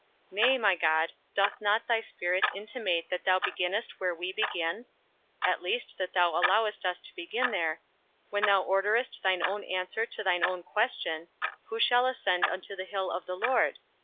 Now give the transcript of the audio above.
Nay, my God, doth not thy Spirit intimate that thou beginnest where we begin (at least, that thou allowest us to begin there), when thou orderest thine own answer to thine own question, Who shall ascend into the hill of the Lord?